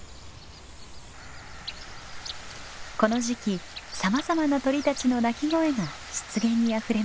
この時期さまざまな鳥たちの鳴き声が湿原にあふれます。